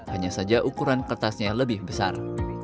hanya saja ukuran kertasnya lebih besar